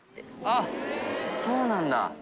あっそうなんだ。